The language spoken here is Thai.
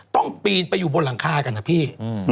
ปีนไปอยู่บนหลังคากันนะพี่